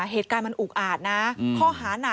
เหตุการณ์มันอุกอาจนะ